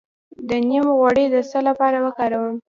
د نیم غوړي د څه لپاره وکاروم؟